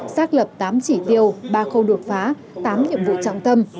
xác lập tám chỉ tiêu ba khâu đột phá tám nhiệm vụ trọng tâm